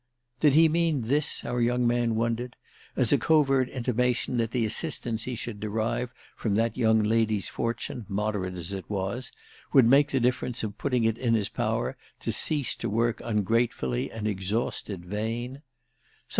Did he mean this, our young man wondered, as a covert intimation that the assistance he should derive from that young lady's fortune, moderate as it was, would make the difference of putting it in his power to cease to work ungratefully an exhausted vein?